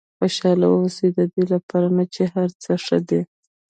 خوشاله واوسئ ددې لپاره نه چې هر څه ښه دي.